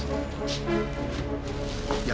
terima kasih wajah